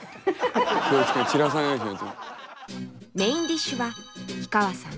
メインディッシュは氷川さん